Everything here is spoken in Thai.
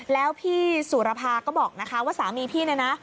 แล้วพี่สุรภาก็บอกนะคะว่าสามีพี่เนี่ยนะ